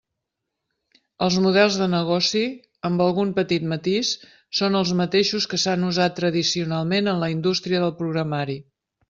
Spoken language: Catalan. Els models de negoci, amb algun petit matís, són els mateixos que s'han usat tradicionalment en la indústria del programari.